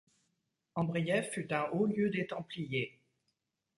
Ambrief fut un haut-lieu des templiers.